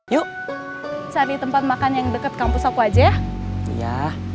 yuk cari tempat makan yang dekat kampus aku aja ya